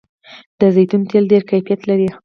د زیتون تېل ډیر کیفیت لري.